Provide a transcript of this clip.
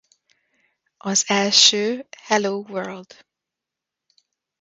Az első Hello World!